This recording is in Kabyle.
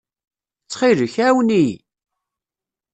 Ttxil-k, ɛawen-iyi!